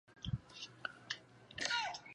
密毛岩蕨为岩蕨科岩蕨属下的一个种。